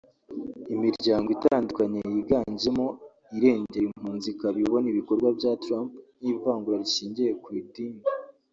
Imiryango itandukanye yiganjemo irengera impunzi ikaba ibona ibikorwa bya Trump nk’ivangura rishingiye ku idini